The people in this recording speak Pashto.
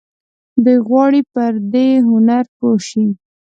دوی غواړي پر دې هنر پوه شي.